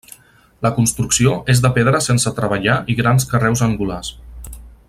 La construcció és de pedres sense treballar i grans carreus angulars.